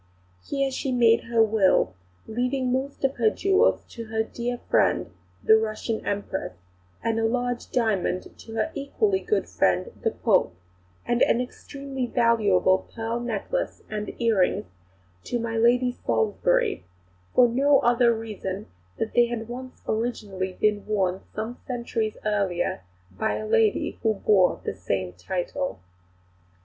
Here she made her will, leaving most of her jewels to her "dear friend," the Russian Empress; a large diamond to her equally good friend the Pope; and an extremely valuable pearl necklace and earrings to my Lady Salisbury, for no other reason than that they had been originally worn some centuries earlier by a lady who bore the same title.